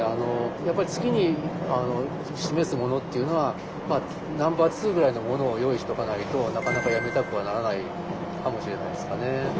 やっぱり次に示すものっていうのはナンバー２ぐらいのものを用意しておかないとなかなかやめたくはならないかもしれないですかね。